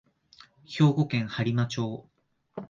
兵庫県播磨町